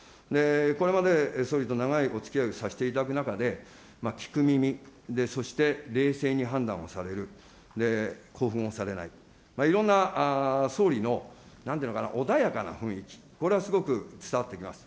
これまで総理と長いおつきあいをさせていただく中で、聞く耳、そして、冷静に判断をされる、興奮をされない、いろんな総理の、なんていうのかな、穏やかな雰囲気、これはすごく伝わってきます。